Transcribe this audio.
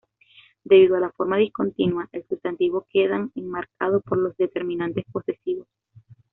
Debido a la forma discontinua, el sustantivo quedan enmarcado por los determinantes posesivos.